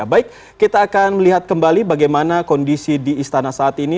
baik kita akan melihat kembali bagaimana kondisi di istana saat ini